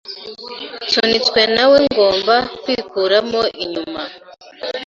Nsunitswe na we ngomba kwikuramo inyuma